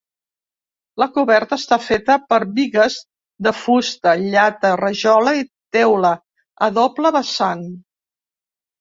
La coberta està feta per bigues de fusta, llata, rajola i teula, a doble vessant.